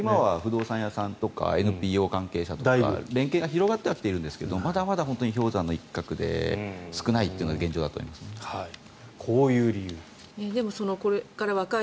不動産会社とかＮＰＯとか連携が広がっては来ているんですがまだまだ氷山の一角で少ないというのがこういう理由。